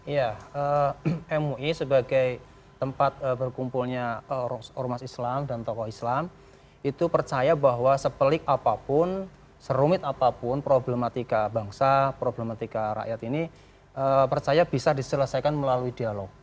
ya mui sebagai tempat berkumpulnya ormas islam dan tokoh islam itu percaya bahwa sepelik apapun serumit apapun problematika bangsa problematika rakyat ini percaya bisa diselesaikan melalui dialog